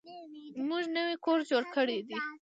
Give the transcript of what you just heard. موږ نوی کور جوړ کړی دی.